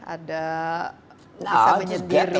ada bisa menyediri